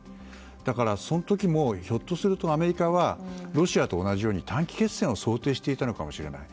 だからその時もひょっとするとアメリカはロシアと同じように短期決戦を想定していたのかもしれない。